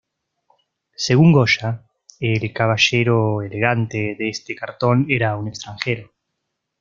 Según Goya, el caballero elegante de este cartón era un extranjero.